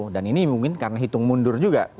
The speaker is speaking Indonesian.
dan ini mungkin karena hitung mundur juga